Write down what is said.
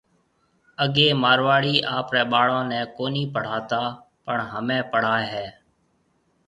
اگَي مارواڙي آپرَي ٻاݪيون ني ڪونِي پڙھاتا پڻ ھمي پڙھائَي ھيَََ